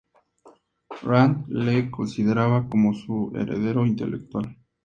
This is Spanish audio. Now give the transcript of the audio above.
Rand le consideraba como su "heredero intelectual".